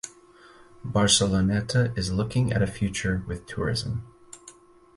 Barceloneta is looking at a future with tourism.